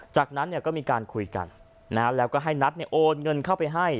จากนั้นก็มีการคุยกันแล้วก็ให้นัทโอนเงินเข้าไปให้